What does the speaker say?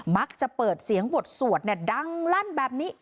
มักจะเปิดเสียงหวดสวดเนี้ยดังลั่นแบบนี้